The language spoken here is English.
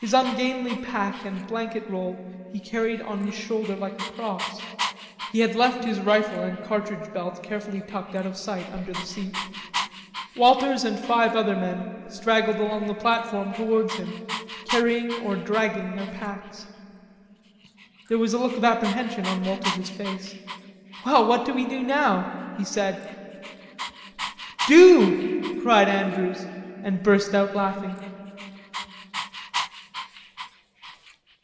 His ungainly pack and blanket roll he carried on his shoulder like a cross. He had left his rifle and cartridge belt carefully tucked out of sight under the seat. Walters and five other men straggled along the platform towards him, carrying or dragging their packs. There was a look of apprehension on Walters's face. "Well, what do we do now?" he said. "Do!" cried Andrews, and he burst out laughing.